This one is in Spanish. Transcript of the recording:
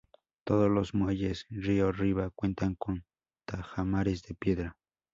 Todos los muelles río arriba cuentan con tajamares de piedra.